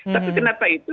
tapi kenapa itu